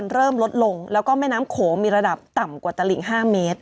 เริ่มลดลงแล้วก็แม่น้ำโขงมีระดับต่ำกว่าตลิง๕เมตร